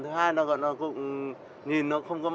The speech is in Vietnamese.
thứ hai là gọi là cũng nhìn nó không có